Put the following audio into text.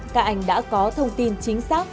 các anh đã có thông tin chính xác